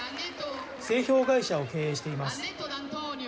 製氷会社を経営しています。